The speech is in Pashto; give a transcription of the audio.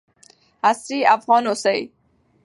عصري افغان اوسئ.